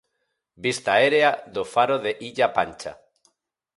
Vista aérea do faro de Illa Pancha.